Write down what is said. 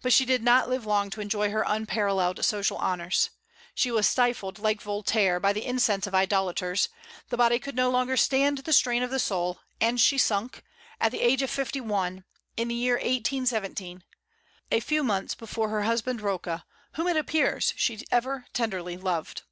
But she did not live long to enjoy her unparalleled social honors. She was stifled, like Voltaire, by the incense of idolaters; the body could no longer stand the strain of the soul, and she sunk, at the age of fifty one, in the year 1817, a few months before her husband Rocca, whom, it appears, she ever tenderly loved.